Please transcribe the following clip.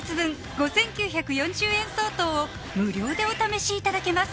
５９４０円相当を無料でお試しいただけます